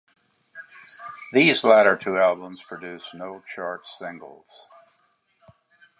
These latter two albums produced no chart singles.